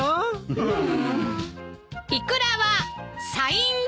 うん。